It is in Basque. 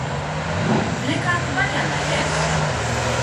Lekak bai ala ez?